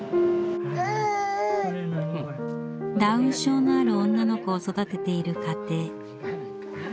ダウン症のある女の子を育てている家庭。